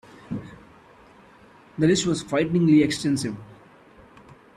The list was frighteningly extensive.